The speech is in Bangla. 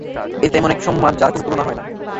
এটা এমন একটা সম্মান যার কোন তুলনা হয় না।